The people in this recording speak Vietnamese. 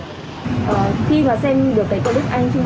khi mà xem được cái clip anh trung văn nam cứu cháu bé